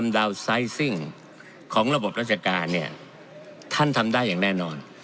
ดาวน์ไซซิ่งของระบบราชการเนี่ยท่านทำได้อย่างแน่นอน